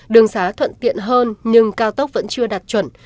đường xá thuận tiện hơn nhưng cao tốc vẫn chưa đạt chuẩn